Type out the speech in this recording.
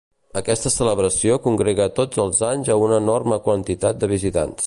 Aquesta celebració congrega tots els anys a una enorme quantitat de visitants.